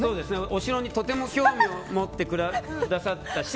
お城にとても興味を持ってくださったし。